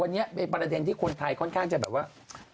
วันนี้เป็นประเด็นที่คนไทยค่อนข้างจะแบบว่า